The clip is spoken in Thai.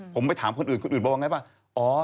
ผมไปถามคนอื่นคนอื่นบอกว่าอย่างไรป่ะ